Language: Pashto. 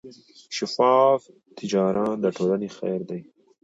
شفاف تجارت د ټولنې خیر دی.